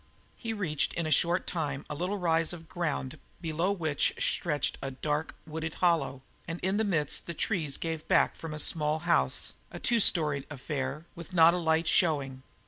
He reached in a short time a little rise of ground below which stretched a darkly wooded hollow, and in the midst the trees gave back from a small house, a two storied affair, with not a light showing.